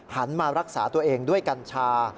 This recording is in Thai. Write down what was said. มารักษาตัวเองด้วยกัญชา